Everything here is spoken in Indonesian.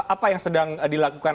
apa yang sedang dilakukan